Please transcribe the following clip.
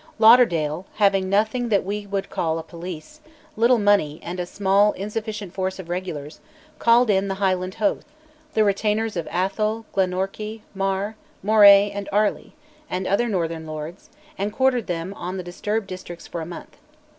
Lauderdale, having nothing that we would call a police, little money, and a small insufficient force of regulars, called in "the Highland Host," the retainers of Atholl, Glenorchy, Mar, Moray, and Airlie, and other northern lords, and quartered them on the disturbed districts for a month.